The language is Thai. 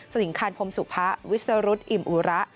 สถิงคัญพรมศุภาวิสรุทธิ์อิมอุระ